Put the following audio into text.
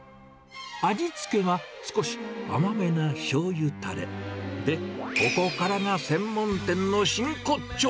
味付けは少し甘めなしょうゆたれ、で、ここからが専門店の真骨頂。